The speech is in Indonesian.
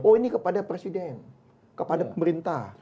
oh ini kepada presiden kepada pemerintah